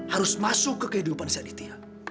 harus masuk ke kehidupan si aditya